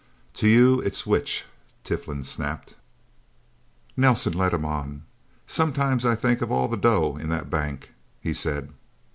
"To you it's which?" Tiflin snapped. Nelson led him on. "Sometimes I think of all the dough in that bank," he said.